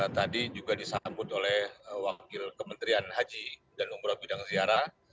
tadi juga disambut oleh wakil kementerian haji dan umroh bidang ziarah